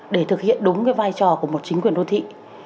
để thực hiện đúng cái vai trò của một chính quyền đô thị